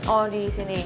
oh di sini